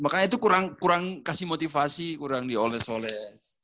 makanya itu kurang kasih motivasi kurang dioles oles